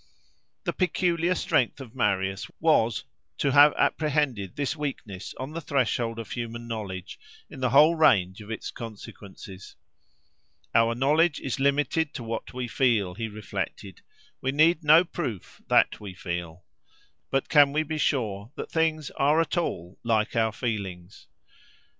The peculiar strength of Marius was, to have apprehended this weakness on the threshold of human knowledge, in the whole range of its consequences. Our knowledge is limited to what we feel, he reflected: we need no proof that we feel. But can we be sure that things are at all like our feelings?